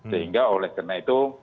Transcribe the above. sehingga oleh karena itu